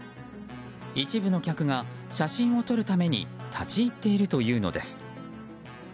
一部の客が、写真を撮るために立ち入っているというのです。